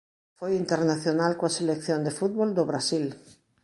Foi internacional coa Selección de fútbol do Brasil.